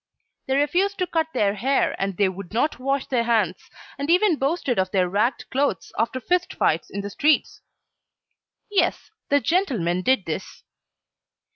They refused to cut their hair and they would not wash their hands, and even boasted of their ragged clothes after fist fights in the streets. Yes, the gentlemen did this.